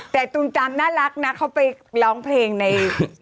แต่ตูนจำน่ารักนะเขาไปร้องเพลงใน